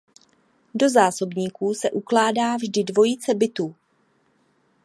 Do zásobníku se ukládá vždy dvojice bytů.